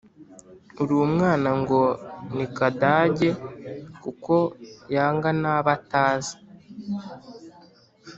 Urumwana ngo nikadage kuko yanga nabo atazi